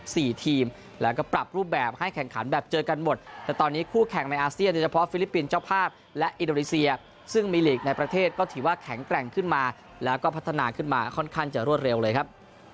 สี่ทีมแล้วก็ปรับรูปแบบให้แข่งขันแบบเจอกันหมดแต่ตอนนี้คู่แข่งในอาเซียนโดยเฉพาะฟิลิปปินส์เจ้าภาพและอินโดนีเซียซึ่งมีหลีกในประเทศก็ถือว่าแข็งแกร่งขึ้นมาแล้วก็พัฒนาขึ้นมาค่อนข้างจะรวดเร็วเลยครับ